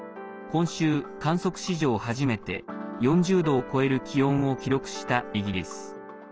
今週、観測史上初めて４０度を超える気温を記録したイギリス。